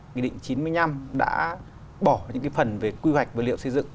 nghị định chín mươi năm đã bỏ những phần về quy hoạch và liệu xây dựng